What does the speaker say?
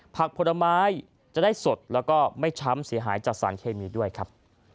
ผลไม้จะได้สดแล้วก็ไม่ช้ำเสียหายจากสารเคมีด้วยครับ